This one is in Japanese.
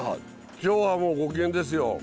今日はもうご機嫌ですよ。